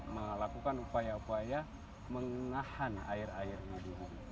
melakukan upaya upaya mengahan air air di hulu